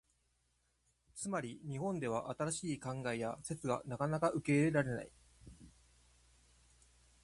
つまり、日本では新しい考えや説がなかなか受け入れられない。